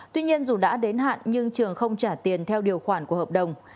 tuy nhiên dù đã đến hạn nhưng trường không trả tiền theo điều khoản của hợp đồng